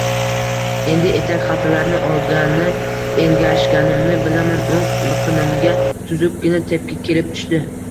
Endi etak-xaltalarni olgani engashganimni bilaman: oʻng biqinimga tuzukkina tepki kelib tushdi.